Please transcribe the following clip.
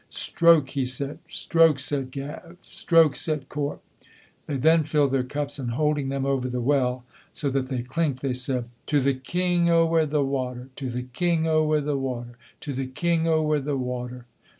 "Stroke!" he said. "Stroke!" said Gav. "Stroke!" said Corp. They then filled their cups and holding them over the well, so that they clinked, they said: "To the king ower the water!" "To the king ower the water!" "To the king ower the water!"